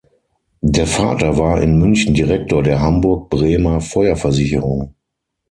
Der Vater war in München Direktor der Hamburg-Bremer-Feuerversicherung.